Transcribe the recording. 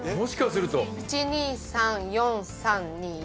１２３４３２１。